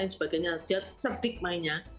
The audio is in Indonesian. jadinya cerdik mainnya